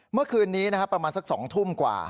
เมื่อคืนนี้นะครับประมาณสัก๒ทุ่มกว่า